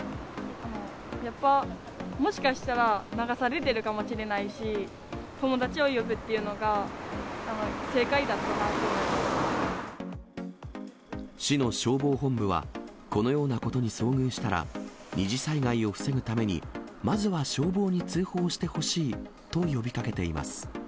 やっぱもしかしたら流されてるかもしれないし、友達を呼ぶっていうのが、市の消防本部は、このようなことに遭遇したら、二次災害を防ぐために、まずは消防に通報してほしいと呼びかけています。